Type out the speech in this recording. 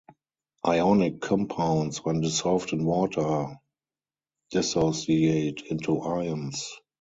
Ionic compounds, when dissolved in water, dissociate into ions.